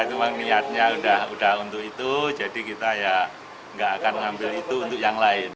itu memang niatnya udah untuk itu jadi kita ya nggak akan ngambil itu untuk yang lain